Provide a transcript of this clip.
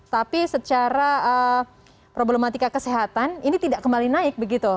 tapi secara problematika kesehatan ini tidak kembali naik begitu